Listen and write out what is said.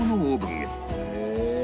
へえ。